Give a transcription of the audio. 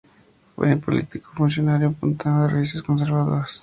Fue un político y funcionario puntano, de raíces conservadoras.